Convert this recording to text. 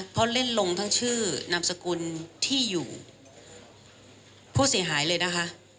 เพราะเล่นลงทั้งชื่อนามสกุลที่อยู่ผู้เสียหายเลยนะคะ